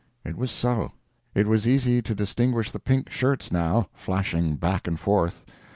It was so. It was easy to distinguish the pink shirts, now, flashing back and forth.